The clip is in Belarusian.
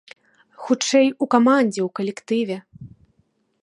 Хутчэй, у камандзе, у калектыве.